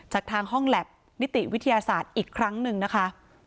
จากทางห้องแล็บนิติวิทยาศาสตร์อีกครั้งหนึ่งนะคะ